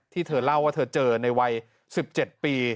เธอเล่าว่าเธอเจอในวัย๑๗ปี